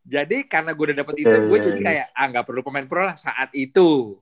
jadi karena gue udah dapet duit gue jadi kayak ah gak perlu pemain pro lah saat itu